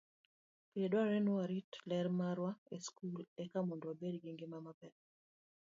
Pile dwarore ni warit ler marwa e skul eka mondo wabed gi ngima maber.